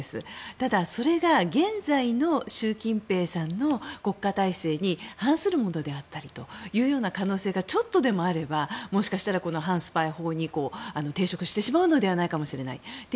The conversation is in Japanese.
ただ、それが現在の習近平さんの国家体制に反するものであったりというような可能性がちょっとでもあればもしかしたらこの反スパイ法に抵触してしまうのかもしれない。